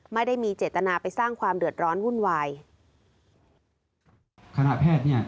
ไม่ได้มีเจตนาไปสร้างความเดือดร้อนวุ่นวายขณะ